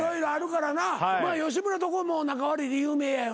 吉村のとこも仲悪いで有名やよな？